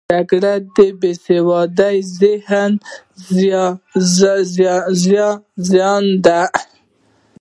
جګړه د بې سواده ذهنونو زیږنده ده